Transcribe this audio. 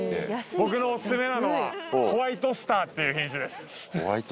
僕のオススメなのはホワイトスターっていう品種です